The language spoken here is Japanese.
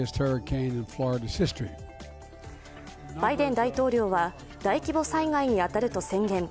バイデン大統領は大規模災害に当たると宣言。